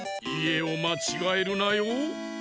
いえをまちがえるなよ」。